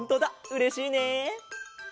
うれしいね。